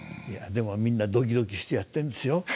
いやでもみんなドキドキしてやってんですよ。